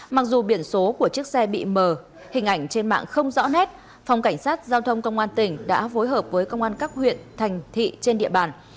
mặc dù biển số của chiếc xe bị mờ hình ảnh trên mạng không rõ nét phòng cảnh sát giao thông công an tỉnh đã phối hợp với công an các huyện thành thị trên địa bàn